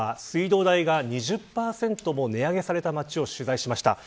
めざまし８は水道代が２０％も値上げされた町を取材しました。